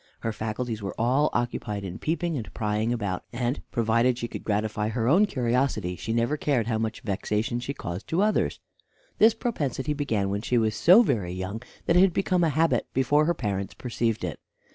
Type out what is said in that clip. Her faculties were all occupied in peeping and prying about, and, provided she could gratify her own curiosity, she never cared how much vexation she caused to others. This propensity began when she was so very young that it had become a habit before her parents perceived it.